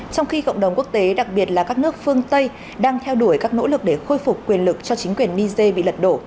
trong khi cộng đồng quốc tế đặc biệt là các nước phương tây đang theo đuổi các nỗ lực để khôi phục quyền lực cho chính quyền niger bị lật đổ